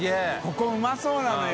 海うまそうなのよ。